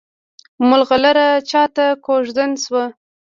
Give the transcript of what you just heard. ملغلره چاته کوژدن شوه؟